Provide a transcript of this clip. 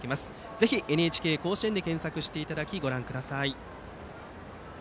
ぜひ「ＮＨＫ甲子園」で検索していただきご覧ください。